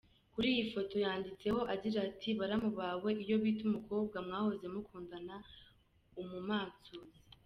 Kuri iyi foto yanditseho agira ati “ Baramu bawe iyo bita umukobwa mwahoze mukundana umumansuzi….